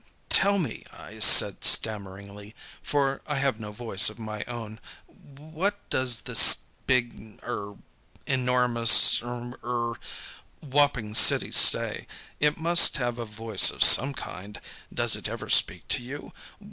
"Tell me," I said, stammeringly, for I have no voice of my own, "what does this big er enormous er whopping city say? It must have a voice of some kind. Does it ever speak to you?